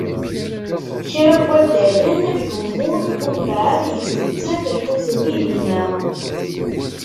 Kra n wadalen, gemmun umbeεed yettmettat lḥut-nni dinna.